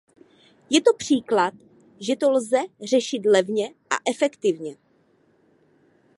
Je to příklad, že to lze řešit levně a efektivně.